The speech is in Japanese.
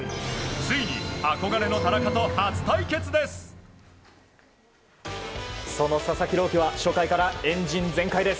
ついに憧れの田中と初対決です。